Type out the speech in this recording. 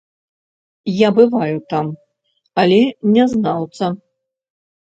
Я бываю там, але не знаўца.